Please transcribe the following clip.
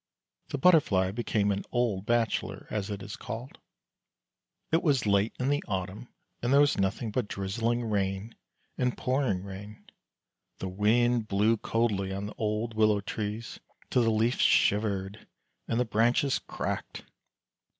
The Butterfly became an old bachelor, as it is called. It was late in the autumn, and there was nothing but drizzling rain and pouring rain; the wind blew coldly on the old willow trees till the leaves shivered and the branches cracked.